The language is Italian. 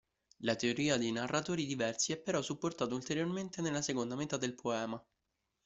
La teoria dei narratori diversi è però supportata ulteriormente nella seconda metà del poema.